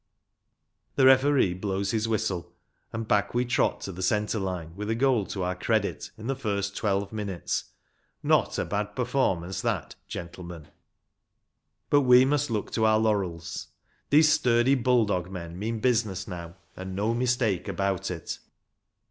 The referee blows his whistle, and back we trot to the centre line, with a goal to our credit in the first twelve minutes ‚ÄĒ not a bad perform ance that, gentlemen ! But we must look to our laurels. These sturdy bull dog men mean business now, and no mistake about it.